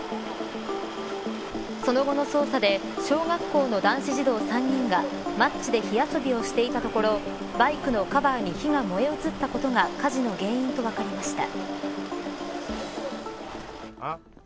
その後の捜査で小学校の男子児童３人がマッチで火遊びをしていたところバイクのカバーに火が燃え移ったことが火事の原因と分かりました。